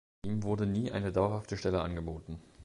Ihm wurde nie eine dauerhafte Stelle angeboten.